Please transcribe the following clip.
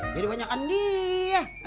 jadi banyakan dia